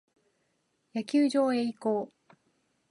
野球場へ移行。